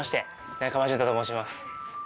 中間淳太と申します。